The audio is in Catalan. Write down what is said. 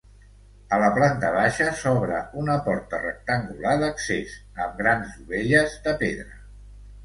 A la planta baixa s'obre una porta rectangular d'accés, amb grans dovelles de pedra.